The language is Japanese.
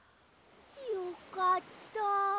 よかった。